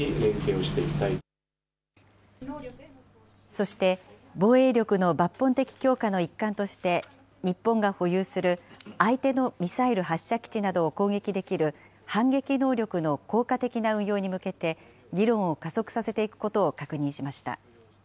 そして、防衛力の抜本的強化の一環として、日本が保有する相手のミサイル発射基地などを攻撃できる反撃能力の効果的な運用に向けて、議論を加速させていくことを確認しました。